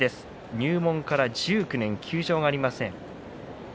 入門から１９年休場がありません。